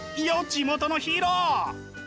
地元のヒーロー！